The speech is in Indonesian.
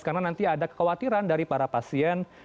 karena nanti ada kekhawatiran dari para pasien